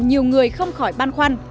nhiều người không khỏi ban khoăn